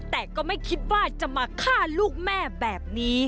แต่ก็ไม่คิดว่าจะมาฆ่าลูกแม่แบบนี้